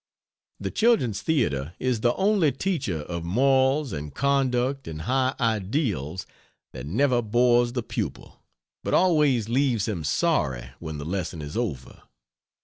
The children's theatre is the only teacher of morals and conduct and high ideals that never bores the pupil, but always leaves him sorry when the lesson is over.